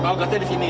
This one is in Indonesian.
oh gasnya di sini